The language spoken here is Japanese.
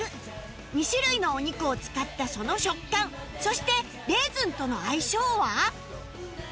２種類のお肉を使ったその食感そしてレーズンとの相性は？